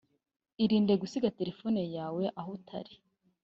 Irinde gusiga telefone yawe aho utari